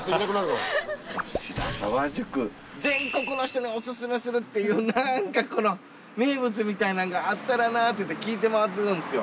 この白沢宿全国の人にオススメするっていう何か名物みたいなんがあったらなって聞いて回ってるんですよ。